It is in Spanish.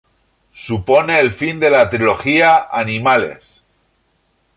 Supone el fin de la trilogía "Animales".